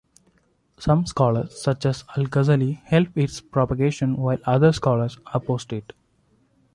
Some scholars, such as Al-Ghazali, helped its propagation while other scholars opposed it.